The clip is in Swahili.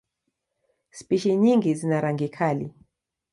Spishi nyingi zina rangi kali.